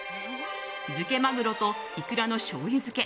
漬けマグロとイクラのしょうゆ漬け